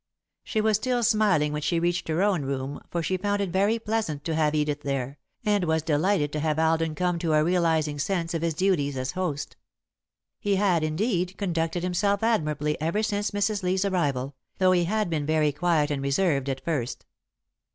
She was still smiling when she reached her own room, for she found it very pleasant to have Edith there, and was delighted to have Alden come to a realising sense of his duties as host. He had, indeed, conducted himself admirably ever since Mrs. Lee's arrival, though he had been very quiet and reserved at first.